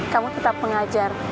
kamu tetap mengajar